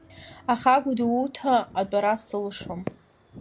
Аха Гәдоуҭа атәара сылшом.